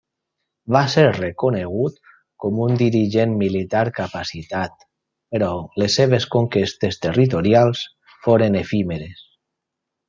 Va ser reconegut com un dirigent militar capacitat, però les seves conquestes territorials foren efímeres.